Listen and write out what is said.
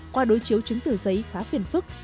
qua đối chiếu chứng tử giấy khá phiền phức